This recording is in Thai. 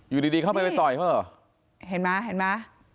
อยู่ดีเข้าไปไปต่อยเข้าเหรอเห็นมั้ยเห็นมั้ย